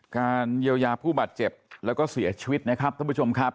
การเยียวยาผู้บาดเจ็บแล้วก็เสียชีวิตนะครับท่านผู้ชมครับ